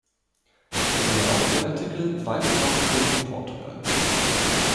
Siehe auch den Artikel Weinbau in Portugal.